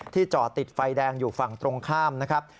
จอดติดไฟแดงอยู่ฝั่งตรงข้ามนะครับ